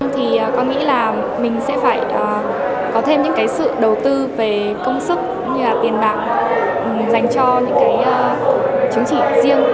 thì con nghĩ là mình sẽ phải có thêm những sự đầu tư về công sức cũng như là tiền bạc dành cho những cái chứng chỉ riêng